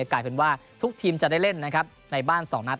กลายเป็นว่าทุกทีมจะได้เล่นนะครับในบ้าน๒นัด